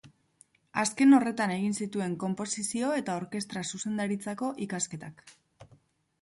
Azken horretan egin zituen Konposizio eta Orkestra Zuzendaritzako ikasketak.